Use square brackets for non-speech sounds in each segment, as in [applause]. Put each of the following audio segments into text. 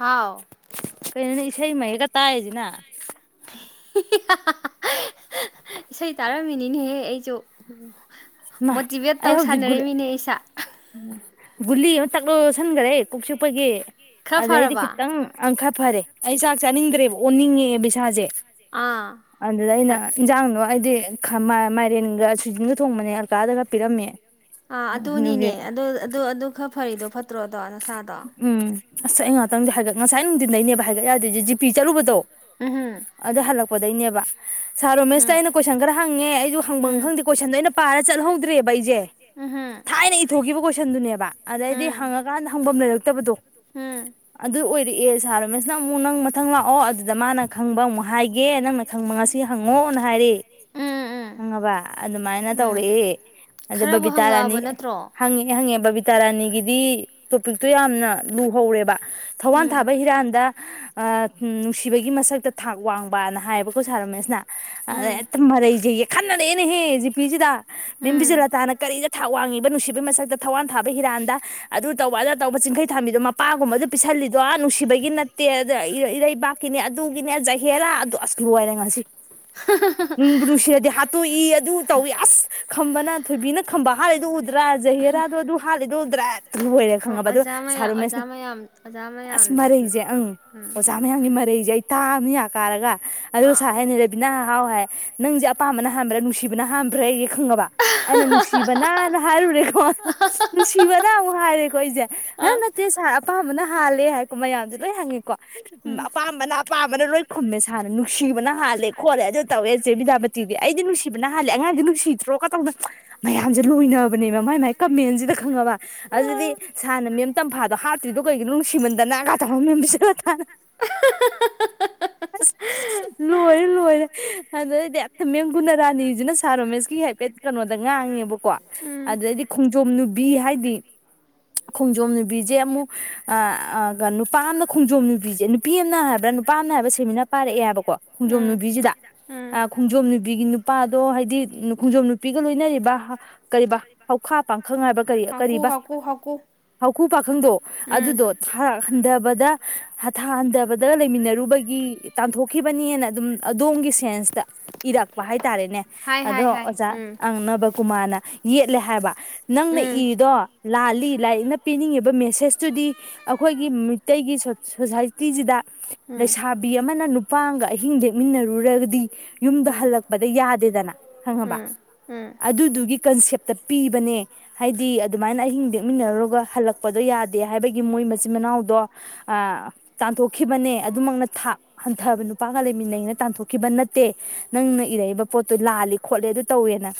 ꯍꯥꯎ ꯏꯁꯩ ꯃꯌꯦꯛꯀ ꯇꯥꯏꯁꯤꯅ ꯏꯁꯩ ꯇꯥꯔꯝꯃꯤꯅꯤꯅꯦꯍꯦ ꯑꯩꯁꯨ ꯃꯣꯇꯤꯚꯦꯠ ꯇꯧ ꯁꯥꯟꯅꯔꯤꯃꯤꯅꯦ ꯑꯩꯁꯥ ꯨꯒꯨꯂꯤ ꯑꯃꯇꯛ ꯌꯣꯠꯁꯤꯟꯒꯔꯂ ꯀꯣꯛꯆꯤꯛꯄꯒꯤ ꯈꯔ ꯑꯗꯩꯗꯤ ꯐꯔꯕ ꯈꯤꯇꯪ ꯑꯪ ꯈ ꯐꯔꯦ ꯑꯩ ꯆꯥꯛ ꯆꯥꯅꯤꯡꯗ꯭ꯔꯦꯕ ꯑꯣꯟꯅꯤꯡꯉꯦꯕ ꯏꯁꯥꯁꯦ ꯑꯥ ꯑꯗꯨꯗ ꯑꯩꯅ ꯏꯟꯁꯥꯡꯗꯣ ꯍꯥꯏꯗꯤ ꯃꯥꯏꯔꯦꯟꯒ ꯁ꯭ꯋꯤꯖꯤꯟꯒ ꯊꯣꯡꯕꯅꯦ ꯑꯜꯀꯥꯗꯒ ꯄꯤꯔꯝꯃꯦ ꯑ ꯑꯗꯨꯅꯤꯅꯦ ꯑꯗꯨꯒꯤ ꯑꯗꯨ ꯑꯗꯨ ꯑꯗꯨ ꯈꯔ ꯐꯔꯤꯗꯣ ꯐꯠꯇ꯭ꯔꯣꯗꯣ ꯁꯥꯥꯗꯣ ꯎꯝ ꯑꯁ ꯑꯩ ꯉꯥꯛꯇꯪꯗꯤ ꯍꯥꯏꯒꯠ ꯉꯁꯥꯏ ꯅꯨꯡꯗꯤꯟ ꯗꯩꯅꯦꯕ ꯍꯥꯏꯒꯠ ꯌꯥꯗꯔꯤꯖꯦ ꯖꯤꯄꯤ ꯆꯠꯂꯨꯕꯗꯣ ꯎꯝꯍꯨꯝ ꯑꯗ ꯍꯂꯛ ꯄꯗꯩꯅꯦꯕ ꯁꯥꯔ ꯎꯝ ꯔꯣꯃꯦꯁꯇ ꯑꯩꯅ ꯀꯣꯏꯁꯟ ꯈꯔ ꯍꯪꯉꯦ ꯑꯩꯁꯨ ꯍꯪꯕ ꯎꯝ ꯈꯪꯗꯦ ꯀꯣꯏꯁꯟꯗꯣ ꯑꯩꯅ ꯄꯥꯔ ꯆꯠꯍꯧꯗ꯭ꯔꯦꯕ ꯑꯩꯁꯦ ꯎꯝꯍꯨꯝ ꯊꯥꯏꯅ ꯏꯊꯣꯛꯈꯤꯕ ꯀꯣꯏꯁꯟꯗꯨꯅꯦꯕ ꯑꯗꯩꯗꯤ ꯎꯝ ꯍꯪꯉꯀꯥꯟꯗ ꯂꯩꯔꯛꯇꯕꯗꯣ ꯎꯝ ꯑꯗꯨ ꯑꯣꯏꯗꯤ ꯑꯦ ꯁꯥꯔꯣꯃꯦꯁ ꯅꯪ ꯑꯃꯨꯛ ꯅꯪ ꯃꯊꯪ ꯂꯥꯛꯑꯣ ꯑꯗꯨꯗ ꯃꯥꯅ ꯈꯪꯕ ꯑꯃꯨꯛ ꯍꯥꯏꯒꯦ ꯅꯪꯅ ꯈꯪꯕ ꯉꯁꯤ ꯍꯪꯉꯣꯅ ꯍꯥꯏꯔꯦ ꯎꯝ ꯎꯝ ꯈꯪꯉꯕ ꯑꯗꯨꯃꯥꯏꯅ ꯎꯝ ꯇꯧꯔꯛꯑꯦ ꯑꯗꯩ ꯈꯔꯕꯨ ꯕꯕꯤꯇꯥ ꯍꯪꯉꯛꯑꯕ ꯔꯥꯅꯤ ꯅꯠꯇ꯭ꯔꯣ ꯍꯪꯉꯦ ꯍꯪꯉꯦ ꯕꯕꯤꯇꯥ ꯔꯥꯅꯤꯒꯤꯗꯤ ꯇꯣꯄꯤꯛꯇꯣ ꯌꯥꯝꯅ ꯂꯨꯍꯧꯔꯦꯕ ꯊꯧꯋꯥꯟ ꯎꯝ ꯊꯥꯕ ꯍꯤꯔꯥꯟꯗ ꯅꯨꯡꯁꯤꯕꯒꯤ ꯃꯁꯛꯇ ꯊꯥꯛ ꯋꯥꯡꯕꯅ ꯍꯥꯏꯌꯦꯕꯀꯣ ꯁꯥꯔ ꯔꯣꯃꯦꯁꯅ ꯑꯗ ꯎꯝ ꯍꯦꯛꯇ ꯃꯔꯩꯁꯦ ꯈꯟꯔꯛꯑꯦꯅꯦꯍꯦ ꯖꯤ ꯄꯤ ꯖꯤꯗ ꯎꯝ ꯃꯦꯝꯕꯤꯁꯦ ꯂꯇꯥꯅ ꯀꯔꯤꯗ ꯊꯥꯛ ꯋꯥꯡꯉꯤ ꯅꯨꯡꯁꯤꯕꯒꯤ ꯃꯁꯛꯇ ꯊꯋꯥꯟ ꯊꯥꯕ ꯍꯤꯔꯥꯟꯗ ꯑꯗꯨ ꯇꯧꯕ ꯑꯗ ꯇꯧꯕ ꯆꯤꯡꯈꯩ ꯊꯥꯝꯕꯤꯗꯣ ꯃꯄꯥꯒꯨꯝꯕꯗ ꯄꯤꯁꯜꯂꯤꯗꯣ ꯅꯨꯡꯁꯤꯕꯒꯤ ꯅꯠꯇꯦ ꯑꯗ ꯏꯔꯩꯕꯥꯛꯀꯤꯅꯦ ꯑꯗꯨꯒꯤꯅꯦ ꯖꯍꯦꯔꯥ ꯑꯗꯨ ꯑꯁ ꯂꯣꯏꯔꯦ ꯉꯁꯤ ꯅꯨꯡꯕꯨ ꯅꯨꯡꯁꯤꯔꯗꯤ ꯍꯥꯠꯇꯣꯛꯏ ꯑꯗꯨ ꯇꯧꯏ ꯑꯁ ꯈꯝꯕꯅ ꯊꯣꯏꯕꯤꯅ ꯈꯝꯕ ꯍꯥꯂꯤꯗꯣ ꯎꯗ꯭ꯔꯥ ꯖꯍꯦꯔꯥꯗꯣ ꯑꯗꯨ ꯍꯥꯠꯂꯤꯗꯣ ꯎꯗ꯭ꯔꯥ ꯂꯣꯏꯔꯦ ꯑꯣ ꯈꯪꯉꯕ ꯑꯗꯨ ꯑꯣꯖꯥ ꯃꯌꯥꯝ ꯑꯣꯖꯥ ꯁꯥꯔꯨꯃꯦꯁꯅ ꯃꯌꯥꯝ ꯑꯣꯖꯥ ꯑꯁ ꯃꯌꯥꯝꯗꯣ ꯃꯔꯩꯁꯦ ꯑꯪ ꯑꯣꯖꯥ ꯃꯌꯥꯝꯒꯤ ꯃꯔꯩꯁꯦ ꯑꯩ ꯇꯥꯃꯤ ꯌꯥ ꯀꯥꯔꯒ ꯑꯥ ꯑꯗꯨꯗ [unintelligible] ꯔꯕꯤꯅꯥ ꯍꯥꯎ ꯍꯥꯏ ꯅꯪꯁꯦ ꯑꯄꯥꯝꯕꯅ ꯍꯥꯟꯕ꯭ꯔꯥ ꯅꯨꯡꯁꯤꯕꯅ ꯍꯥꯥꯟꯕ꯭ꯔꯥꯌꯦ ꯈꯪꯉꯕ ꯑꯩꯅ ꯅꯨꯡꯁꯤꯕꯅꯅ ꯍꯥꯏꯔꯨꯔꯦꯀꯣ ꯅꯨꯡꯁꯤꯕꯅ ꯑꯃꯨꯛ ꯍꯥꯏꯔꯦꯀꯣ ꯑꯩꯁꯦ ꯍꯥ ꯅꯠꯇꯦ ꯁꯥꯔ ꯑꯄꯥꯝꯕꯅ ꯍꯥꯜꯂꯦ ꯍꯥꯏꯀꯣ ꯃꯌꯥꯝꯁꯦ ꯂꯣꯏ ꯍꯪꯉꯤꯀꯣ ꯑꯄꯥꯝꯕꯅ ꯑꯄꯥꯝꯕꯅ ꯂꯣꯏ ꯈꯨꯝꯃꯦ ꯁꯥꯔꯅ ꯅꯨꯡꯁꯤꯕꯅ ꯍꯥꯜꯂꯦ ꯈꯣꯠꯂꯦ ꯑꯗꯨ ꯇꯧꯋꯦ ꯆꯦ ꯕꯤꯗꯌꯥꯄꯇꯤꯗꯤ ꯑꯩꯗꯤ ꯅꯨꯡꯁꯤꯕꯅ ꯍꯥꯜꯂꯦ ꯑꯉꯥꯡꯗꯤ ꯅꯨꯡꯁꯤꯗ꯭ꯔꯣ ꯀꯗꯧꯅ ꯃꯌꯥꯝꯁꯦ ꯂꯣꯏꯅꯕꯅꯦꯕ ꯃꯥꯏ ꯃꯥꯏ ꯀꯃꯦꯟꯁꯤꯗ ꯈꯪꯉꯕ ꯑꯗꯨꯗꯤ ꯁꯥꯔꯅ ꯃꯦꯝ ꯇꯝꯐꯥꯗꯣ ꯍꯥꯠꯇ꯭ꯔꯤꯗꯣ ꯀꯩꯒꯤꯅꯣ ꯅꯨꯡꯁꯤꯃꯟꯗꯅ [unintelligible] ꯂꯣꯏꯔꯦ ꯂꯣꯏꯔꯦ ꯑꯗꯨꯗꯩꯗꯤ ꯃꯦꯝ ꯒꯨꯅꯔꯥꯅꯤꯁꯤꯅ ꯁꯥꯔ ꯔꯣꯃꯦꯁꯀꯤ ꯍꯥꯏꯐꯦꯠ ꯀꯩꯅꯣꯗ ꯉꯥꯡꯉꯦꯕꯀꯣ ꯎꯝ ꯑꯗꯨꯗꯩꯗꯤ ꯈꯣꯡꯖꯣꯝ ꯅꯨꯕꯤ ꯍꯥꯏꯗꯤ ꯈꯣꯡꯖꯣꯝ ꯅꯨꯕꯤꯁꯦ ꯑꯃꯨꯛ ꯅꯨꯄꯥ ꯑꯃꯅ ꯈꯣꯡꯖꯣꯝ ꯅꯨꯕꯤꯁꯦ ꯅꯨꯄꯤ ꯑꯃꯅ ꯍꯥꯏꯕ꯭ꯔꯥ ꯅꯨꯄꯥ ꯑꯃꯅ ꯍꯥꯏꯕ꯭ꯔꯥ ꯁꯦꯃꯤꯅꯥꯔ ꯄꯥꯏꯔꯛꯑꯦ ꯍꯥꯏꯕꯀꯣ ꯈꯣꯡꯖꯣꯝ ꯎꯝ ꯅꯨꯕꯤꯁꯤꯗ ꯎꯝ ꯈꯣꯡꯖꯣꯝ ꯅꯨꯄꯤꯒꯤ ꯅꯨꯄꯥꯗꯣ ꯍꯥꯏꯗꯤ ꯈꯣꯡꯖꯣꯝ ꯅꯨꯄꯤꯒ ꯂꯣꯏꯅꯔꯤꯕ ꯀꯔꯤꯕ ꯍꯧꯈꯥ ꯄꯥꯡꯈꯪ ꯍꯥꯏꯕ ꯀꯔꯤ ꯍꯥꯀꯨ ꯀꯔꯤꯕ ꯍꯥꯀꯨ ꯍꯥꯀꯨ ꯍꯧꯀꯨ ꯄꯥꯈꯪꯗꯣ ꯎꯝ ꯑꯗꯨꯗꯣ ꯊꯥꯛ ꯍꯟꯗꯕꯗ ꯊꯥꯛ ꯍꯟꯗꯕꯗ ꯂꯩꯃꯤꯟꯅꯔꯨꯕꯒꯤ ꯇꯥꯟꯊꯣꯛ ꯈꯤꯕꯅꯤꯅ ꯑꯗꯨꯝ ꯑꯗꯣꯝꯒꯤ ꯁꯦꯟꯁꯇ ꯏꯔꯛꯄ ꯍꯥꯏꯇꯥꯔꯦꯅꯦ ꯍꯥꯏꯇꯥꯔꯦ ꯍꯥꯏ ꯑꯗꯣ ꯍꯥꯏ ꯍꯥꯏ ꯑꯣꯖꯥ ꯎꯝ ꯑꯪ ꯅꯕꯀꯨꯃꯥꯔꯅ ꯌꯦꯠꯂꯦ ꯍꯥꯏꯕ ꯅꯪꯅ ꯎꯝ ꯏꯔꯤꯗꯣ ꯂꯥꯜꯂꯤ ꯂꯥꯏꯔꯤꯛꯅ ꯄꯤꯅꯤꯡꯉꯤꯕ ꯃꯦꯁꯦꯁꯇꯨꯗꯤ ꯑꯩꯈꯣꯏꯒꯤ ꯃꯤꯇꯩꯩꯒꯤ ꯁꯣꯁꯥꯏꯇꯤꯁꯤꯗ ꯂꯩꯁꯥꯕꯤ ꯑꯃꯅ ꯅꯨ ꯄꯥ ꯑꯃꯒ ꯑꯍꯤꯡ ꯂꯦꯛꯃꯤꯟꯅꯔꯨꯔꯒꯗꯤ ꯌꯨꯝꯗ ꯎꯝ ꯍꯜꯂꯛꯄꯗ ꯌꯥꯗꯦꯗꯅ ꯈꯪꯉꯕ ꯎꯝ ꯎꯝ ꯎꯝ ꯑꯗꯨꯗꯨꯒꯤ ꯀꯟꯁꯦꯞꯇ ꯄꯤꯕꯅꯦ ꯍꯥꯏꯗꯤ ꯑꯗꯨꯃꯥꯏꯅ ꯑꯍꯤꯡ ꯂꯦꯛꯃꯤꯟꯅꯔꯨꯔꯒ ꯍꯜꯂꯛꯄꯗꯣ ꯌꯥꯗꯦ ꯍꯥꯏꯕꯒꯤ ꯃꯣꯏ ꯃꯆꯤꯟ ꯃꯅꯥꯎꯗꯣ ꯇꯥꯟꯊꯣꯛꯈꯤꯕꯅꯦ ꯑꯗꯨꯃꯛꯅ ꯍꯟꯊꯕ ꯅꯨꯄꯥꯒ ꯂꯩꯃꯤꯟꯅꯩꯅ ꯇꯥꯟꯊꯣꯛꯈꯤꯕ ꯅꯠꯇꯦ ꯅꯪꯅ ꯏꯔꯛꯏꯕ ꯄꯣꯠꯇꯣ ꯂꯥꯜꯂꯤ ꯈꯣꯠꯂꯤ ꯑꯗꯨ ꯇꯧꯋꯦꯅ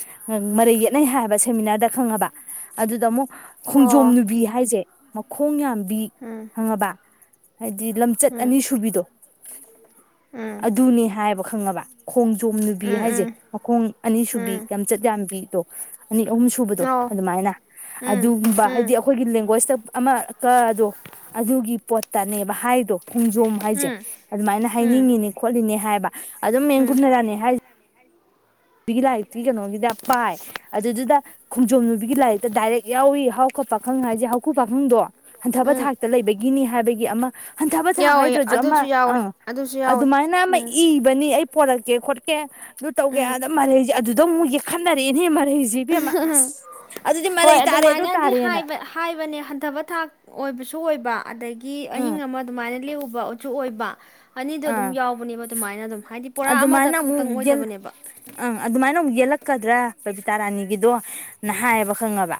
ꯃꯔꯩ ꯌꯦꯠꯅꯩ ꯍꯥꯏꯕ ꯁꯦꯃꯤꯅꯥꯔꯗ ꯈꯪꯉꯕ ꯑꯗꯨꯗ ꯑꯃꯨꯛ ꯈꯣꯡꯖꯣꯝ ꯑꯣ ꯅꯨꯕꯤ ꯍꯥꯏꯁꯦ ꯃꯈꯣꯡ ꯌꯥꯝ ꯕꯤ ꯎꯝ ꯈꯪꯉꯕ ꯍꯥꯏꯗꯤ ꯂꯝꯆꯠ ꯎꯝ ꯎꯝ ꯑꯅꯤ ꯁꯨꯕꯤꯗꯣ ꯎꯝ ꯑꯗꯨꯅꯦ ꯍꯥꯏꯌꯦꯕ ꯈꯪꯉꯕ ꯈꯣꯡꯖꯣꯝ ꯅꯨꯕꯤ ꯍꯥꯏꯁꯦ ꯎꯝ ꯃꯈꯣꯡ ꯑꯅꯤ ꯁꯨꯕꯤ ꯎꯝ ꯂꯝꯆꯠ ꯌꯥꯝꯕꯤꯗꯣ ꯑꯅꯤ ꯑꯍꯨꯝ ꯁꯨꯕꯗꯣ ꯑꯣ ꯑꯗꯨꯃꯥꯏꯅ ꯎꯝ ꯎꯝ ꯑꯗꯨꯒꯨꯝꯕ ꯍꯥꯏꯗꯤ ꯑꯩꯈꯣꯏꯒꯤ ꯂꯦꯡꯒ꯭ꯋꯁꯇ ꯑꯃ ꯀꯗꯣ ꯑꯗꯨꯒꯤ ꯄꯣꯠꯇꯅꯦꯕ ꯍꯥꯏꯗꯣ ꯈꯣꯡꯖꯣꯝ ꯍꯥꯏꯁꯦ ꯎꯝ ꯑꯗꯨꯃꯥꯏꯅ ꯎꯝ ꯎꯝ ꯎꯝ ꯍꯥꯏꯅꯤꯡꯉꯤꯅꯦ ꯈꯣꯠꯂꯤꯅꯦ ꯍꯥꯏꯕ ꯑꯗꯨꯝ ꯃꯦꯝ ꯒꯨꯅꯔꯅꯤ ꯍꯥꯏ ꯅꯨꯕꯤꯒꯤ ꯂꯥꯏꯔꯤꯛꯇꯤ ꯀꯩꯅꯣꯒꯤꯗ ꯄꯥꯏ ꯑꯗꯨꯗꯨꯗ ꯈꯣꯡꯖꯣꯝ ꯅꯨꯕꯤꯒꯤ ꯂꯥꯏꯔꯤꯛꯇ ꯗꯥꯏꯔꯦꯛ ꯌꯥꯎꯏ ꯍꯥꯎ ꯈꯣꯠ ꯄꯥꯈꯪ ꯍꯥꯏꯁꯦ ꯍꯥꯎ ꯄꯥꯈꯪꯗꯣ ꯍꯟꯊꯕ ꯊꯥꯛꯇ ꯂꯩꯕꯒꯤꯅꯤ ꯍꯥꯏꯕꯒꯤ ꯑꯃ ꯍꯟꯊꯕ ꯊꯥꯛ ꯌꯥꯎꯋꯦ ꯍꯥꯏꯗ꯭ꯔꯁꯨ ꯑꯃ ꯑꯗꯨꯁꯨ ꯌꯥꯎꯋꯦ ꯑꯥ ꯑꯗꯨꯁꯨ ꯌꯥꯎꯋꯦ ꯑꯗꯨꯃꯥꯏꯅ ꯑꯃ ꯎꯝ ꯏꯕꯅꯤ ꯑꯩ ꯄꯣꯔꯛ ꯀꯦ ꯈꯣꯠꯀꯦ ꯑꯗꯨ ꯇꯧ ꯎꯝ ꯀꯌꯥꯗ ꯃꯔꯩꯁꯦ ꯑꯗꯨꯗ ꯑꯃꯨꯛ ꯌꯦꯛ ꯈꯟꯅꯔꯛꯑꯦꯅꯦ ꯃꯔꯩꯁꯤ ꯎꯝ ꯎꯝ ꯍꯣꯏ ꯑꯗꯨ ꯇꯥꯔꯦꯅ ꯑꯗꯨꯃꯥꯏꯅꯗꯤꯕ ꯍꯥꯏꯕꯅꯦ ꯍꯟꯊꯕ ꯊꯥꯛ ꯑꯣꯏꯕꯁꯨ ꯑꯣꯏꯕ ꯑꯗꯒꯤ ꯎꯝ ꯑꯍꯤꯡ ꯑꯃ ꯑꯗꯨꯃꯥꯏꯅ ꯂꯎꯕ ꯆꯨ ꯑꯣꯏꯕ ꯑꯅꯤꯗꯣ ꯑꯗꯨꯝ ꯑꯥ ꯌꯥꯎꯕꯅꯦꯕ ꯑꯗꯨꯃꯥꯏꯅ ꯑꯗꯨꯝ ꯍꯥꯏꯗꯤ ꯄꯨꯔꯥ ꯑꯃꯗ ꯑꯗꯨꯃꯥꯏꯅ ꯈꯛꯇꯪ ꯑꯃꯨꯛ ꯌꯦꯜ ꯑꯣꯏꯗꯕꯅꯦꯕ ꯑꯪ ꯑꯗꯨꯃꯥꯏꯅ ꯑꯃꯨꯛ ꯌꯦꯠꯂꯛꯀꯗ꯭ꯔꯥ ꯄꯕꯤꯇꯥ ꯔꯥꯅꯤꯒꯤꯗꯣ ꯅꯍꯥꯏꯌꯦꯕ ꯈꯪꯉꯕ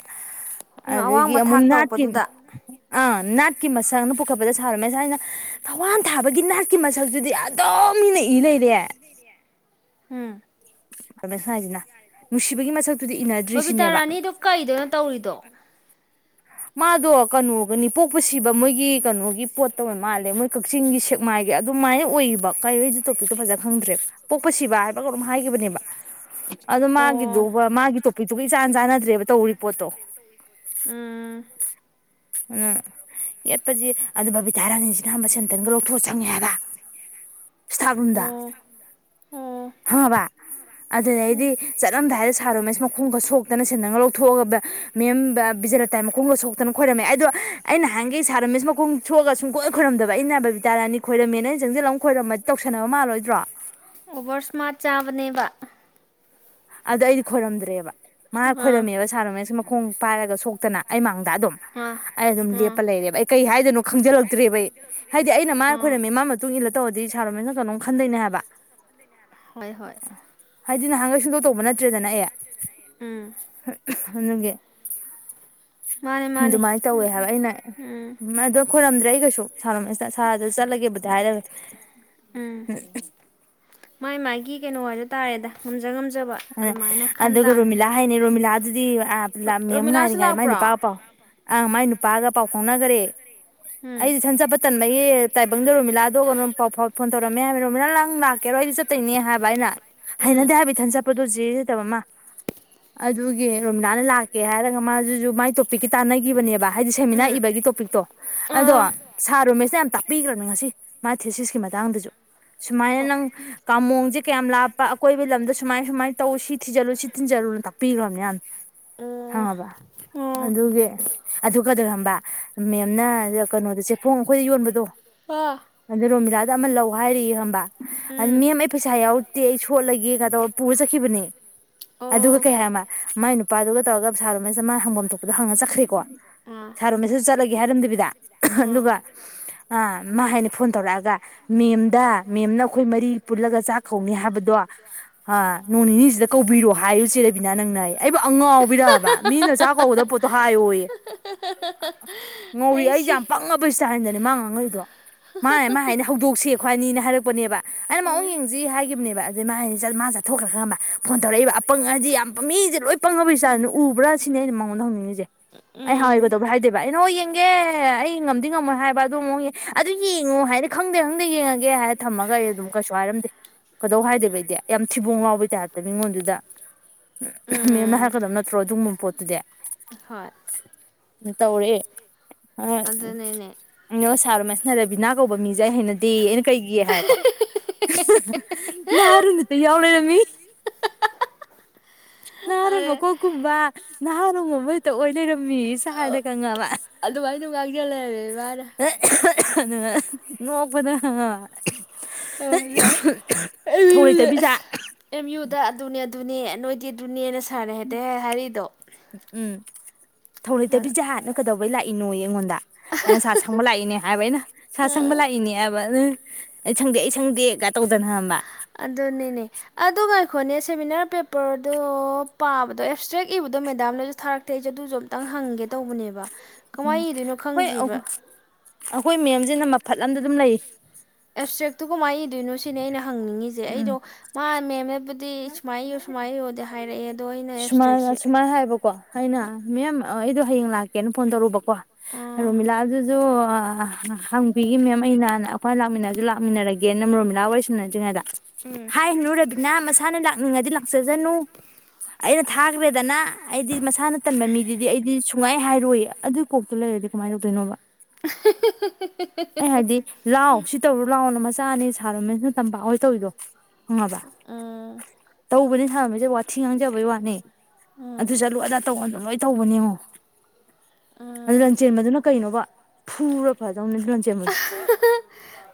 ꯎꯝ ꯑꯗꯒꯤ ꯑꯋꯥꯡꯕ ꯑꯃꯨꯛ ꯊꯥꯛ ꯅꯥꯠꯀꯤ ꯎꯝ ꯇꯧꯔꯛꯄꯗꯨꯗ ꯅꯥꯠꯀꯤ ꯅꯥꯠꯀꯤ ꯃꯁꯛꯅ ꯄꯣꯛꯈꯠꯄꯗ ꯁꯥꯔ ꯃꯁꯥꯅ ꯊꯋꯥꯟ ꯊꯥꯕꯒꯤ ꯅꯥꯠꯀꯤ ꯃꯁꯛꯗꯨꯨꯗꯤ ꯑꯗꯨꯝ ꯃꯤꯅ ꯏ ꯂꯩꯔꯦ ꯔꯦ ꯎꯝ [unintelligible] ꯍꯥꯏꯁꯤꯅ ꯅꯨꯡꯁꯤꯕꯒꯤ ꯃꯁꯛ ꯕꯥꯕꯤꯇꯥ ꯔꯥꯅꯤꯗꯨ ꯀꯩꯗꯅꯣ ꯇꯧꯔꯤꯗꯣ ꯃꯥꯗꯨ ꯀꯩꯅꯣꯒꯅꯤ ꯄꯨꯛ ꯃꯥꯜꯂꯦ ꯃꯣꯏ ꯀꯛꯆꯤꯡꯒꯤ ꯁꯦꯛꯃꯥꯏꯒꯤ ꯑꯗꯨꯃꯥꯏꯅ ꯑꯣꯏꯕ ꯀꯩꯅꯣ ꯇꯣꯄꯤꯛꯇꯣ ꯐꯖ ꯈꯪꯗ꯭ꯔꯦꯕ ꯄꯣꯛꯄ ꯁꯤꯕ ꯍꯥꯏꯕ ꯀꯩꯅꯣꯝ ꯍꯥꯏꯈꯤꯕꯅꯦꯕ ꯑꯗꯣ ꯑꯣ ꯃꯥꯒꯤꯗꯨꯒ ꯃꯥꯒꯤ ꯇꯣꯄꯤꯛꯇꯨꯒ ꯏꯆꯥꯟ ꯆꯥꯟꯅꯗ꯭ꯔꯦꯕ ꯇꯧꯔꯤ ꯄꯣꯠꯇꯣ ꯎꯝ ꯎꯝ ꯌꯦꯠꯄꯁꯤ ꯑꯗꯨ ꯕꯥꯕꯤ ꯇꯥꯔꯥꯅꯤꯁꯤ ꯈꯕ ꯁꯦꯟꯇꯟꯒ ꯂꯧꯊꯣꯛꯑ ꯆꯪꯉꯦ ꯍꯥꯏꯕ ꯏꯁꯇꯥꯐ ꯔꯨꯝꯗ ꯑꯣ ꯑꯣ ꯈꯪꯉꯕꯥ ꯑꯗꯨꯗꯩꯗꯤ ꯆꯠꯂꯝꯗꯥꯏ ꯁꯥꯔ ꯔꯣꯃꯦꯁ ꯃꯈꯣꯡꯒ ꯁꯣꯛꯇꯅ ꯁꯦꯟꯗꯟꯒ ꯂꯧꯊꯣꯛꯑꯒꯕ ꯃꯦꯝ ꯕꯤꯖꯦꯂꯥꯇꯥꯒꯤ ꯃꯈꯣꯡꯒ ꯁꯣꯛꯇꯅ ꯈꯣꯏꯔꯝꯃꯦ ꯑꯗꯣ ꯑꯩꯅ ꯅꯍꯥꯟꯒꯩ ꯁꯥꯔ ꯔꯥꯃꯦꯁ ꯃꯈꯣꯡ ꯁ ꯊꯣꯛꯑꯒ ꯁꯨꯡꯈꯣꯏ ꯈꯣꯏꯔꯝꯗꯕ ꯑꯩꯅ ꯕꯕꯤꯇꯥ ꯔꯥꯅꯤ ꯈꯣꯏꯔꯝꯃꯦꯅ ꯑꯩꯅ ꯆꯪꯁꯤꯜꯂꯝ ꯈꯣꯏꯔꯝꯃꯗꯤ ꯇꯧꯁꯟꯅꯕ ꯃꯥꯜꯂꯣꯏꯗ꯭ꯔꯣ ꯑꯣꯚꯔ ꯏꯁꯃꯥꯔꯠ ꯆꯥꯕꯅꯦꯕ ꯑꯗ ꯑꯩꯗꯤ ꯍꯣꯔꯝ꯭ꯗꯔꯦꯕ ꯃꯥ ꯑꯥ ꯈꯣꯏꯔꯝꯃꯦꯕ ꯁꯥꯔꯝꯃꯦꯁ ꯃꯈꯣꯡ ꯄꯥꯏꯔꯒ ꯁꯣꯛꯇꯅ ꯑꯩ ꯃꯥꯡꯗ ꯗ ꯑꯗꯨꯝ ꯑꯥ ꯑꯩ ꯑꯗꯨꯝ ꯑꯥ ꯂꯦꯞꯄ ꯂꯩꯔꯦꯕ ꯑꯩ ꯀꯩ ꯍꯥꯏꯗꯣꯏꯅꯣ ꯈꯪꯖꯤꯜꯂꯛꯇ꯭ꯔꯦꯕ ꯑꯩ ꯍꯥꯏꯗꯤ ꯑꯩꯅ ꯃꯥ ꯑꯥ ꯈꯣꯏꯔꯝꯃꯦ ꯃꯥ ꯃꯇꯨꯡ ꯏꯜꯂ ꯇꯧꯔꯗꯤ ꯁꯥꯔꯣꯃꯦꯟꯅ ꯀꯩꯅꯣꯝ ꯈꯟꯗꯣꯏꯅꯦ ꯍꯥꯏꯕ ꯍꯣꯏ ꯍꯣꯏ ꯅꯍꯥꯟꯒꯣꯏ ꯁꯨꯡ ꯇꯧꯕ ꯅꯠꯇ꯭ꯔꯦꯗꯅ ꯑꯩ ꯎꯝ ꯃꯥꯅꯦ [unintelligible] ꯃꯥꯅꯦ ꯑꯗꯨꯃꯥꯏꯅ ꯇꯧꯋꯦ ꯎꯝ ꯍꯥꯏꯕ ꯎꯝ ꯑꯩꯅ ꯎꯝ ꯎ ꯑꯗꯣ ꯈꯣꯏꯔꯝꯗ꯭ꯔꯦ ꯑꯩ ꯀꯩꯁꯨ ꯁꯥꯔ ꯔꯣꯃꯦꯁꯇ ꯁꯥꯔꯖꯦ ꯆꯠꯂꯒꯦꯕꯨꯗꯤ ꯍꯥꯏꯔꯃꯦ ꯎꯝ ꯃꯥꯏ ꯃꯥꯥꯏꯒꯤ ꯀꯩꯅꯣ ꯍꯥꯏꯗꯣ ꯇꯥꯔꯦꯗ ꯉꯝꯖ ꯉꯝꯖ ꯑ ꯑꯗꯨꯒ ꯔꯣꯃꯤꯂꯥ ꯍꯥꯏꯅꯦ ꯔꯣꯃꯤꯂꯥꯗꯨꯗꯤ ꯑꯥ ꯂꯥꯝ ꯃꯦꯝ ꯔꯣꯃꯤꯂꯥꯁꯨ ꯉꯥꯏꯔꯤꯉꯥꯏꯗ ꯃꯥꯏ ꯅꯨꯄꯥꯒ ꯂꯥꯛꯄ꯭ꯔꯣ ꯄꯥꯎ ꯑꯥ ꯃꯥꯏ ꯅꯨꯄꯥ ꯥꯒ ꯄꯥꯎꯐꯥꯎꯅꯒꯔꯦ ꯎꯝ ꯑꯩꯗꯤ ꯏꯊꯟ ꯆꯠꯄ ꯇꯟꯕꯒꯤ ꯇꯥꯏꯕꯪꯗ ꯔꯣꯃꯤꯂꯥꯗ ꯀꯩꯅꯝ ꯄꯥꯎ ꯐꯥꯎ ꯐꯣꯟ ꯇꯧꯔꯝꯃꯦ ꯍꯥꯏꯕ ꯔꯣꯝꯃꯤꯂꯥ ꯅꯪ ꯂꯥꯛ ꯀꯦꯍꯣꯏꯗ ꯆꯠꯇꯣꯏꯅꯦ ꯍꯥꯏꯕ ꯑꯩꯅ ꯎꯝ ꯍꯩꯅꯗꯦ ꯍꯥꯏꯕ ꯏꯊꯟ ꯆꯠꯄ ꯄꯦꯔꯦꯇꯕꯃ ꯔꯣꯝꯃꯤꯂꯅ ꯂꯥꯛꯀꯦ ꯍꯥꯏꯔꯒ ꯃꯥꯗꯨꯁꯨ ꯃꯥꯏ ꯇꯥꯟꯅꯈꯤꯕꯅꯦꯕ ꯍꯥꯏꯗꯤ ꯁꯦꯃꯤꯅꯥꯔ ꯎꯝ ꯏꯕꯒꯤ ꯇꯣꯄꯤꯛꯇꯣ ꯑꯗꯣ ꯑꯥ ꯁꯥꯔꯣꯃꯦꯁꯅ ꯌꯥꯝ ꯇꯥꯛꯄꯤꯈ꯭ꯔꯕꯅꯦ ꯉꯁꯤ ꯊꯦꯁꯤꯁꯀꯤ ꯃꯇꯥꯡꯗꯁꯨ ꯁꯨꯃꯥꯏꯅ ꯑꯣ ꯅꯪ ꯀꯥꯃꯣꯡꯁꯦ ꯀꯌꯥꯝ ꯂꯥꯞꯄ ꯑꯀꯣꯏꯕ ꯂꯝꯗ ꯁꯨ ꯁꯨꯃꯥꯏ ꯁꯨꯃꯥꯏ ꯇꯧ ꯁꯤꯊꯤꯟꯖꯜꯂꯨ ꯁꯤ ꯇꯤꯟꯖꯜꯂꯨꯅ ꯇꯥꯛꯄꯤꯒ꯭ꯔꯕꯅꯦ ꯑꯣ ꯌꯥꯝꯅ ꯑꯣ ꯑꯥ ꯑ ꯎꯝ ꯃꯦꯝ ꯑꯩ ꯄꯩꯁꯥ ꯌꯥꯎꯔꯛꯇꯦ ꯑꯩ ꯁꯣꯠꯂꯒꯦꯝꯒ ꯇꯧ ꯄꯨꯔ ꯆꯠꯈꯤꯕꯅꯦ ꯑꯗꯨꯒ ꯑꯣ ꯀꯩ ꯍꯥꯏꯃ ꯃꯥꯏ ꯅꯨꯄꯥꯗꯨꯒ ꯇꯧꯔꯒ ꯁꯥꯔ ꯔꯣꯃꯦꯁꯇꯨꯗ ꯃꯥ ꯍꯪꯐꯝ ꯊꯣꯛꯄꯗꯣ ꯍꯪꯉ ꯆꯠꯈ꯭ꯔꯦꯀꯣ ꯑꯥ ꯁꯥꯔꯣꯃꯦꯁꯗ ꯆꯠꯂꯒꯦ ꯍꯥꯏꯔꯝꯗꯕꯤꯗ ꯑꯥ ꯑꯗꯨꯒ ꯃꯥ ꯍꯥꯏꯅ ꯐꯣꯟ ꯇꯧꯔꯛꯑꯒ ꯃꯦꯝꯗ ꯃꯦꯝꯅ ꯑꯩꯈꯣꯏ ꯃꯔꯤ ꯄꯨꯜꯂꯒ ꯆꯥꯛ ꯀꯧꯅꯤ ꯍꯥꯏꯕꯗꯣ ꯑ ꯅꯣꯡ ꯅꯤꯅꯤꯁꯤꯗ ꯀꯧꯕꯤꯔꯣ ꯍꯥꯏꯨ ꯆꯦꯔꯕꯤꯅꯥ ꯅꯪꯅ ꯑꯩꯕꯨ ꯑꯉꯥꯎꯕꯤꯔꯕ ꯃꯤꯅ ꯆꯥꯛ ꯀꯧꯒꯗꯕ ꯄꯣꯠꯇꯣ ꯍꯥꯏꯌꯣꯌꯦ ꯉꯧꯔꯤ ꯑꯩ ꯑꯩꯁꯦ ꯁꯤ ꯌꯥꯝ ꯄꯪꯉꯕꯩ ꯁ꯭ꯇꯥꯟꯗꯅꯦ ꯃꯥ ꯉꯥꯡꯉꯛꯏꯗꯣ ꯃꯥꯅꯦ ꯃꯥ ꯍꯥꯏꯗꯤ ꯍꯧꯗꯣꯛꯁꯦ ꯑꯈꯣꯏ ꯏꯕꯅꯅ ꯄꯨꯅꯦꯕ ꯑꯩꯅ ꯃꯑꯣꯡ ꯎꯝ ꯌꯦꯡꯖꯤ ꯍꯥꯏꯈꯤꯕꯅꯦꯕ ꯃꯍꯥꯏ ꯃꯥ ꯆꯠꯊꯣꯛꯈ꯭ꯔ ꯈꯪꯕ ꯐꯣꯟ ꯇꯧꯔꯛꯏꯕ ꯑꯄꯪꯪ ꯍꯥꯏꯗꯤ ꯌꯥꯝ ꯃꯤꯁꯦ ꯂꯣꯏ ꯄꯪꯉꯕꯩ ꯏ꯭ꯁꯇ꯭ꯌꯥꯟꯗ ꯎꯕ꯭ꯔꯥ ꯁꯤꯅꯦ ꯑꯩꯅ ꯃꯉꯣꯟꯗ ꯍꯧꯅꯤꯡꯉꯤꯁꯦ ꯑꯩ ꯍꯥꯏ ꯎꯝ ꯀꯩꯗꯧꯕꯩ ꯍꯥꯏꯗꯣꯏꯕ ꯑꯩ ꯍꯣꯏ ꯌꯦꯡꯒꯦ ꯑꯩ ꯉꯝꯗꯤ ꯉꯝꯃꯣꯏ ꯍꯥꯏꯕ ꯑꯗꯨ ꯑꯃꯨꯛ ꯑꯗꯨ ꯌꯦꯡꯉꯣ ꯍꯥꯏꯗꯤ ꯈꯪꯗꯦ ꯈꯪꯗꯦ ꯌꯦꯡꯉꯒꯦ ꯍꯥꯏꯔ ꯊꯝꯃꯒ ꯑꯩ ꯑꯗꯨꯝ ꯀꯩꯁꯨ ꯍꯥꯏꯔꯝꯗꯦ ꯀꯩꯗꯧ ꯍꯥꯏꯗꯣꯏꯕ ꯑꯩꯗꯤ ꯌꯥꯝ ꯊꯤꯕꯣꯡ ꯂꯥꯎꯕꯩ ꯇꯥ꯭ꯏꯞꯇ ꯃꯤꯉꯣꯟꯗꯨꯗ ꯃꯦꯝꯅ ꯎꯝ ꯍꯥꯏꯔꯛꯀꯗꯕ ꯅꯠꯇ꯭ꯔꯣ ꯑꯗꯨꯒꯨꯝꯕ ꯄꯣꯠꯇꯨꯗꯤ ꯍꯣꯏ ꯇꯧꯔꯤꯦ ꯍꯣꯏ ꯑꯗꯨꯅꯦꯅꯦ ꯅꯣꯏ ꯁꯥꯔ ꯔꯣꯃꯦꯁ ꯅꯔꯕꯤꯅꯥ ꯀꯧꯕ ꯃꯤꯁꯦ ꯁꯦ ꯍꯩꯅꯗꯦꯌꯦ ꯑꯩꯅ ꯀꯩꯒꯤ ꯍꯥꯏꯔꯦꯀꯣ ꯅꯍꯥꯔꯣꯜ [unintelligible] ꯅꯍꯥꯔꯣꯟ ꯃꯀꯣꯛꯀꯨꯝꯕ ꯅꯍꯥ ꯔꯣꯜꯒꯨꯝꯕ ꯍꯦꯛꯇ ꯑꯣꯏꯔ ꯂꯩꯔꯝꯃꯦꯌꯦ ꯁꯥꯔꯅ ꯈꯪꯉꯕ ꯑꯗꯨꯃꯥꯏꯅ ꯉꯥꯡꯖ ꯂꯩꯔꯝꯃꯦ ꯃꯥꯅ ꯑꯦ ꯑꯗꯨꯒ ꯅꯣꯛꯄꯗ ꯑ ꯄꯤꯖ ꯑꯗꯨꯗ ꯑꯗꯨꯅꯦ ꯑꯗꯨꯅꯦ ꯅꯣꯏꯗꯤ ꯑꯗꯨꯅꯦꯅ ꯁꯥꯔꯅ ꯍꯦꯛꯇ ꯍꯥꯏꯔꯤꯗꯣ ꯎꯝ ꯊꯧ ꯂꯩꯇꯕꯤꯖꯥ ꯀꯩꯗꯧꯕꯩ ꯂꯥꯛꯏꯅꯣꯌꯦ ꯑꯩꯉꯣꯟꯗ ꯑꯩꯅ ꯁꯥꯔ ꯁꯪꯕ ꯂꯥꯛꯏꯅꯦ ꯍꯥꯏꯕ ꯑꯩꯅ ꯁꯥꯔ ꯁꯪꯕ ꯂꯥꯛꯏꯅꯦ ꯍꯥꯏꯕ ꯑꯗꯨ ꯑꯩ ꯁꯪꯗꯦ ꯑꯩ ꯁꯪꯗꯦꯒ ꯇꯧꯗꯅ ꯈꯪꯉꯕ ꯑꯗꯨꯅꯤꯅꯦ ꯑꯗꯨ ꯉꯥꯏꯈꯣꯅꯦ ꯁꯦꯃꯤꯅꯥꯔ ꯄꯦꯄꯔꯗꯣ ꯄꯥꯕꯗꯣ ꯑꯦꯞꯁꯇ꯭ꯔꯦꯛ ꯏꯕꯗꯣ ꯃꯦꯗꯥꯝꯅꯁꯨ ꯊꯥꯔꯛꯇꯦ ꯑꯩꯁꯨꯦ ꯑꯗꯨꯁꯨ ꯑꯝꯇꯪ ꯍꯪꯒꯦ ꯇꯧꯕꯅꯦꯕ ꯎꯝ ꯀꯃꯥꯏꯅ ꯏꯗꯣꯏꯅꯣ ꯍꯣꯏ ꯈꯪꯗ꯭ꯔꯤꯕ ꯑꯩꯈꯣꯏ ꯃꯦꯝꯁꯤꯅ ꯃꯐꯠꯂꯝꯗ ꯑꯗꯨꯝ ꯂꯩ ꯑꯦꯞꯁꯇ꯭ꯔꯦꯛꯇꯨ ꯀꯃꯥꯏ ꯏꯗꯣꯏꯅꯣ ꯁꯤꯅꯦ ꯑꯩꯅ ꯍꯪꯅꯤꯡꯉꯤꯁꯦ ꯑꯩꯗꯣ ꯎꯝ ꯃꯥ ꯃꯦꯝ ꯅꯕꯨꯗꯤ ꯁꯨꯃꯥꯏꯅ ꯏꯌꯨ ꯁꯨꯃꯥꯏꯅ ꯏꯌꯣꯗꯤ ꯍꯥꯏꯔꯛꯑꯦ ꯑꯗꯣ ꯑꯩꯅ ꯑꯦꯞꯁꯇ꯭ꯔꯦꯛꯁꯦ ꯁꯨꯃꯥꯏꯅ ꯑ ꯑꯣ ꯑꯩꯗꯣ ꯍꯌꯦꯡ ꯂꯥꯛꯀꯦꯅ ꯐꯣꯟ ꯇꯧꯔꯨꯕꯀꯣ ꯀꯣ ꯑꯥ ꯔꯣꯃꯤꯂꯥ ꯗꯨꯖꯨ ꯍꯪꯕꯤꯒꯦ ꯃꯦꯝ ꯑꯩꯅ ꯑꯩꯈꯣꯏꯅ ꯂꯥꯛꯃꯤꯟꯅꯔꯁꯨ ꯂꯥꯛꯃꯤꯟꯅꯔꯒꯦꯅ ꯔꯣꯃꯤꯂꯥꯒ ꯋꯥꯔꯤ ꯁꯥꯟꯅꯗ꯭ꯔꯤ ꯉꯩꯗ ꯎꯝ ꯍꯥꯏꯅꯨ ꯔꯕꯤꯅꯥ ꯃꯁꯥꯅ ꯂꯥꯛꯅꯤꯡꯉꯗꯤ ꯆꯖꯅꯨ ꯑꯩꯅ ꯊꯥꯈ꯭ꯔꯦꯗꯅ ꯑꯩꯗꯤ ꯃꯁꯥꯅ ꯇꯟꯕ ꯃꯤꯗꯨꯗꯤ ꯑꯩꯗꯤ ꯁꯨꯡꯉꯥꯏ ꯍꯥꯏꯔꯣꯏ ꯑꯗꯨ ꯀꯣꯛꯇꯨ ꯂꯩꯔꯗꯤ ꯀꯃꯥꯏꯅ ꯇꯧꯗꯣꯏꯅꯣꯕ [inaudible] ꯆꯥꯅꯤ ꯁꯥꯔ ꯔꯣꯃꯦꯟ ꯇꯝꯄꯥꯛ ꯑꯣꯏ ꯇꯧ ꯏꯗꯣ ꯈꯪꯉꯕ ꯎꯝ ꯇꯧꯕꯗꯤ ꯍꯃꯤ ꯋꯥꯊꯤ ꯉꯥꯡꯖꯕꯩ ꯋꯥꯅꯤ ꯑꯗꯨ ꯆꯠꯂꯨ ꯑꯗꯣ ꯇꯧ ꯇꯧꯕꯅꯦꯉꯣ ꯑꯗꯨ ꯂꯟ ꯎꯝ ꯆꯦꯟꯕꯗꯨꯅ ꯀꯩꯅꯣꯕ ꯐꯔꯣ ꯐꯜ ꯆꯦꯃ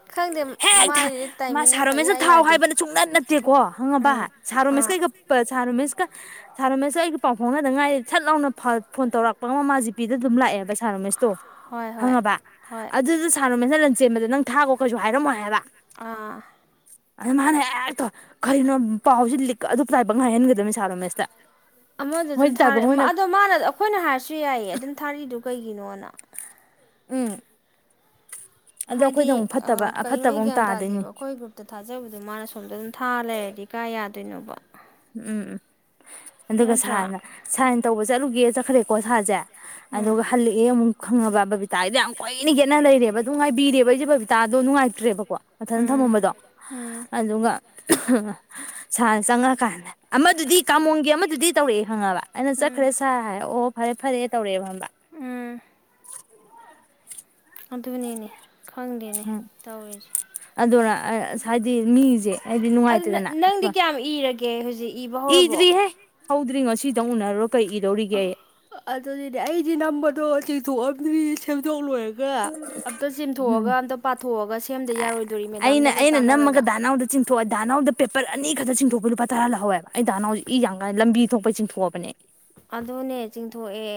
ꯈꯪꯗꯦ ꯍ ꯊ ꯃꯥꯏꯗꯨꯗꯤ ꯇꯥꯏꯃꯤꯡ ꯃꯥꯁꯔꯣ ꯑꯃ ꯃꯦꯁ ꯏꯌꯥ ꯊꯥꯎ ꯌꯥꯗꯦ ꯍꯥꯏꯕꯅ ꯁꯨꯡꯅ ꯅꯠꯇꯦꯀꯣ ꯍꯪꯉꯕ ꯎꯝ ꯑꯥ ꯁꯥꯔꯣꯃꯦꯁꯀꯩꯒ ꯁꯥꯔꯣꯃꯦꯁꯀ ꯁꯥꯔꯣꯃꯦꯁꯀꯩꯒ ꯄꯥꯎ ꯐꯥꯎꯅꯗ ꯉꯥꯏꯔꯦ ꯁꯠ ꯂꯥꯎꯅ ꯐꯣꯟ ꯇꯧꯔꯛꯄꯒ ꯑꯃ ꯃꯥꯁꯤꯦ ꯄꯤꯗ ꯑꯗꯨꯝ ꯂꯥꯛꯑꯦꯕ ꯁ ꯏꯁꯇꯣ ꯍꯣꯏ ꯍꯣꯏ ꯍꯪꯉꯕ ꯍꯣꯏ ꯑꯗꯨꯗ ꯁ ꯃꯅ ꯂꯟꯖꯦ ꯅꯪ ꯊꯥꯈꯣ ꯀꯩꯁꯨ ꯍꯥꯏꯔꯝꯃꯣ ꯍꯥꯏꯕ ꯑꯥ ꯑꯗ ꯃꯥꯅ ꯍꯦꯛꯇꯣ ꯀꯔꯤꯅꯣ ꯄꯥꯎꯁꯤ ꯂꯤꯛ ꯑꯗꯨ ꯄꯥꯏꯕ ꯉꯥꯏꯍꯟꯒꯗꯕꯅꯤ ꯁꯥꯔꯣ ꯃꯦꯁꯇ ꯑꯃꯗ ꯑꯗꯨꯝꯥ ꯑꯗꯣ ꯃꯥꯅ ꯑꯩꯈꯣꯏꯅ ꯍꯥꯏꯔꯁꯨ ꯌꯥꯏꯌꯦ ꯑꯗꯨꯝ ꯊꯥꯔꯤꯗꯨ ꯀꯩꯒꯤꯅꯣꯅ ꯎꯝ ꯑꯗꯣ ꯍꯥꯏꯗꯤ ꯑꯩꯈꯣꯏꯗ ꯑꯃꯨꯛ ꯐꯠꯇꯕ ꯀꯩꯅꯣ ꯑꯐꯠꯇꯕ ꯑꯩ ꯑꯃꯨꯛ ꯒ꯭ꯌꯥꯟ ꯇꯥꯗꯣꯏꯅꯤ ꯇꯥꯗꯦꯕ ꯑꯩꯈꯣꯏ ꯒ꯭ꯔꯨꯞꯇ ꯊꯥꯖꯕꯗꯣ ꯃꯥꯅ ꯁꯣꯝꯗ ꯑꯗꯨꯝ ꯊꯥ ꯂꯩꯔꯗꯤ ꯀꯌꯥ ꯌꯥꯗꯦ ꯀꯩꯅꯣꯕ ꯎꯝ ꯑꯗꯨꯒ ꯁꯥꯔꯅ ꯁꯥꯔꯅ ꯇꯧꯕ ꯆꯠꯂꯨꯒꯦ ꯆꯛꯈ꯭ꯔꯦꯀꯣ ꯁꯥꯁꯦ ꯎꯝ ꯑꯗꯨꯒ ꯍꯜꯂꯛꯑꯦ ꯑꯃꯨꯛ ꯈꯪꯉꯕ ꯕꯕꯤꯇꯥꯗꯣ ꯌꯥꯝ ꯀꯣꯏꯏꯅꯒꯦꯠꯅ ꯂꯩꯔꯦꯕ ꯑꯗꯨꯝ ꯉꯥꯏꯕꯤꯔꯦꯕ ꯑꯩꯁꯦ ꯕꯕꯤꯇꯥꯗꯣ ꯅꯨꯡꯉꯥꯏꯇ꯭ꯔꯦꯕꯣ ꯀꯣ ꯃꯊꯟ ꯎꯝ ꯊꯝꯃꯝꯕꯗꯣ ꯎꯝ ꯑꯗꯨꯒ ꯁꯥ ꯆꯪꯉꯛꯀꯥꯟꯗ ꯑꯃꯗꯨꯗꯤ ꯀꯥꯃꯣꯣꯡꯒꯤ ꯑꯃꯗꯨꯗꯤ ꯇꯧꯔꯛꯑꯦ ꯍꯪꯉꯕ ꯑꯩꯅ ꯎꯝ ꯆꯠꯈ꯭ꯔꯦ ꯁꯥꯔ ꯍꯥꯏ ꯑꯣ ꯐꯔꯦ ꯐꯔꯦ ꯇꯧꯔꯛ ꯑ ꯎꯝ [inaudible] ꯑꯗꯨꯅꯦꯅꯦ ꯈꯪꯗꯦꯅꯦ ꯇꯧꯔꯤꯁꯦ ꯑ ꯍꯥꯏꯗꯤ ꯃꯤꯁꯦ ꯍꯥꯏꯗꯤ ꯑꯗꯨ ꯅꯨꯡꯉꯥꯏꯇꯦꯗꯅ ꯅꯪꯗꯤ ꯀꯌꯥꯝ ꯏꯔꯒꯦ ꯍꯧꯖꯤꯛ ꯏꯕ ꯍꯧꯔꯕꯣ ꯏꯗ꯭ꯔꯤꯍꯦ ꯍꯧꯗ꯭ꯔꯤꯉꯣ ꯁꯤꯗ ꯎꯅꯔꯣ ꯑꯗꯗꯤ ꯑꯩꯗꯤ ꯅꯝꯕꯗꯣ ꯊ [unintelligible] ꯑꯗꯨꯗꯤ ꯁꯦꯝꯗꯣꯛꯂꯣꯏꯔꯒ ꯑꯝꯇ ꯎꯝ ꯆꯦꯝꯊꯣꯛꯑꯒ ꯑꯝꯇ ꯄꯥꯊꯣꯛꯑꯒ ꯁꯦꯝꯗ ꯌꯥꯔꯣꯏꯗꯣꯔꯤ ꯑꯩꯅ ꯃꯦꯗꯥꯝꯗꯒ ꯑꯩꯅ ꯅꯝꯃꯒ ꯇꯥꯟꯅꯔꯒ ꯗꯥꯅꯥꯎꯗ ꯆꯤꯡꯊꯣꯛꯑ ꯗꯥꯅꯥꯎꯗ ꯄꯦꯄꯔ ꯑꯅꯤ ꯈꯛꯇ ꯆꯤꯡꯊꯣꯛꯄ ꯂꯨꯄꯥ ꯇꯔꯥ ꯂꯧꯍꯧꯋꯕ ꯑꯩꯗ ꯅꯅꯥꯎꯁꯤ ꯏ ꯌꯥꯝ ꯀꯥꯏꯅ ꯂꯝꯕꯤ ꯊꯣꯛꯄꯩ ꯆꯤꯡꯊꯣꯛꯑꯕꯅꯦ ꯑꯗꯨꯅꯦ ꯆꯤꯡꯊꯣꯛꯑꯦ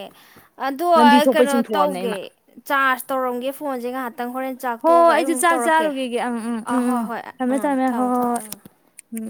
ꯑꯗꯣ ꯂꯝꯕꯤ ꯑꯩ ꯊꯣꯛꯄꯩ ꯀꯩꯅꯣ ꯆꯤꯡꯊꯣꯛꯑꯕꯅꯦ ꯇꯧꯒꯦ ꯑꯩꯃ ꯆꯥꯔꯖ ꯇꯧꯔꯝꯒꯦ ꯐꯣꯟꯁꯦ ꯉꯥꯏꯍꯥꯛꯇꯪ ꯍꯣꯔꯦꯟ ꯍꯣꯏ ꯆꯥꯛꯇꯣꯛꯑꯒ ꯑꯩꯁꯨ ꯑꯩꯃꯨꯛ ꯆꯥꯛ ꯇꯧꯔꯛꯀꯦ ꯆꯥꯔꯨꯈꯤꯒꯦ ꯑꯪ ꯎꯝ ꯑꯥ ꯎꯝ ꯍꯣꯏ ꯎꯝ ꯍꯣꯏ ꯊꯝꯃꯦ ꯎꯝ ꯊꯝꯃꯦ ꯍꯣꯏ ꯊꯝꯃꯣ ꯍꯣꯏ ꯊꯝꯃꯣ ꯍꯣꯏ ꯎꯝ ꯎꯝ